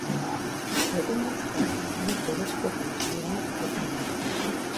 Egunez taberna honek berezko funtzioa betetzen du.